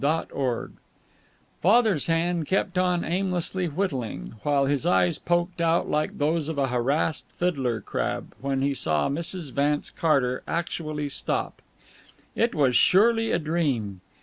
CHAPTER VII Father's hand kept on aimlessly whittling, while his eyes poked out like those of a harassed fiddler crab when he saw Mrs. Vance Carter actually stop. It was surely a dream.